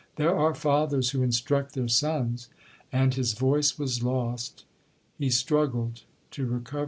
There are fathers who instruct their sons—' And his voice was lost—he struggled to recover it.